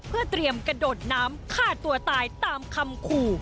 เพื่อเตรียมกระโดดน้ำฆ่าตัวตายตามคำขู่